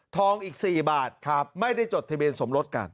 อีก๔บาทไม่ได้จดทะเบียนสมรสกัน